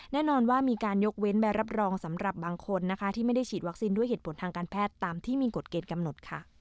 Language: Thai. แน่นอนว่ามีการยกเว้นใบรับรองสำหรับบางคนนะคะที่ไม่ได้ฉีดวัคซีนด้วยเหตุผลทางการแพทย์ตามที่มีกฎเกณฑ์กำหนดค่ะ